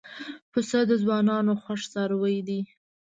پسه د ځوانانو خوښ څاروی دی.